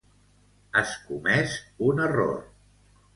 Has comès un error.